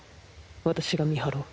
私が見張ろう。